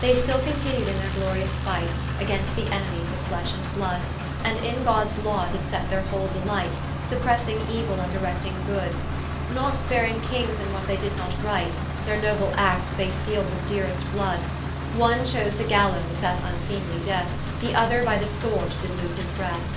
They still continued in their glorious fight, Against the enemies of flesh and blood; And in Gods law did set their whole delight, Suppressing euill, and erecting good: Not sparing Kings in what they did not right; Their noble Actes they seal'd with deerest blood: One chose the Gallowes, that vnseemely death, The other by the Sword did loose his breath.